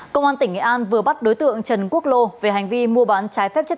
công an tỉnh nghệ an vừa bắt đối tượng trần quốc lô về hành vi mua bán trái phép chất